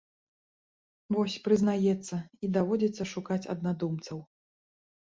Вось, прызнаецца, і даводзіцца шукаць аднадумцаў.